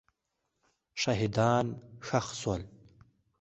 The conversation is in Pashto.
شهیدان ښخ سول.